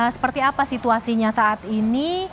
seperti apa situasinya saat ini